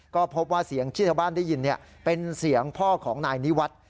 ก็พบว่าเสียงที่ชาวบ้านได้ยินเป็นเสียงพ่อของนายนิวัฒน์